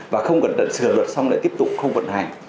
và không cần tận sửa luật xong lại tiếp tục không vận hành